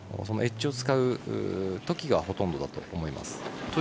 そのエッジを使うときがほとんどだと思います。